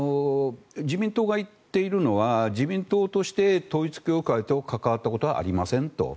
自民党が言っているのは自民党として統一教会と関わったことはありませんと。